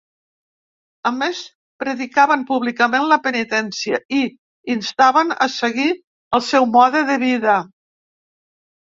A més, predicaven públicament la penitència i instaven a seguir el seu mode de vida.